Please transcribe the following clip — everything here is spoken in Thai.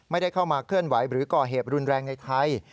ไม่ได้เข้ามาเคลื่อนไหวหรือก่อเหตุรุนแรงในไทย